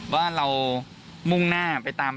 ว่าเรามุ่งหน้าไปตาม